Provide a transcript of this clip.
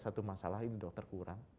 satu masalah ini dokter kurang